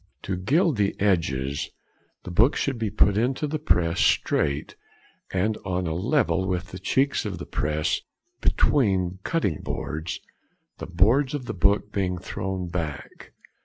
To gild the edges, the book should be put into the press straight and on a level with the cheeks of the press between cutting boards, the boards of the book being thrown back.